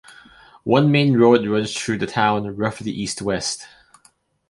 One main road runs through the town, roughly east-west.